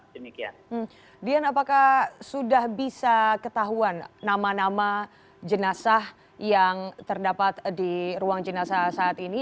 dian apakah sudah bisa ketahuan nama nama jenazah yang terdapat di ruang jenazah saat ini